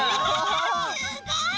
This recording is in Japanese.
すごい！